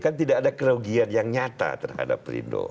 kan tidak ada kerugian yang nyata terhadap perindo